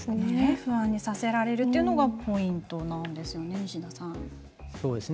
不安にさせられるというのがポイントなんですね。